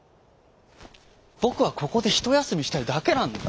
ぼくはここでひとやすみしたいだけなんだ」。